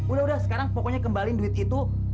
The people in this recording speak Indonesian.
udah udah sekarang pokoknya kembali duit itu